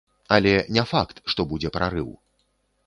Але не факт, што будзе прарыў.